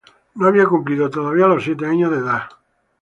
No había cumplido todavía los siete años de edad.